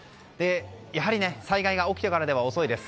やはり災害が起きてからでは遅いです。